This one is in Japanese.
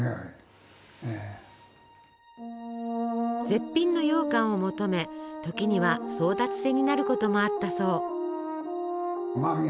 絶品のようかんを求め時には争奪戦になることもあったそう。